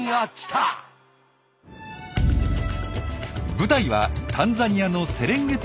舞台はタンザニアのセレンゲティ国立公園。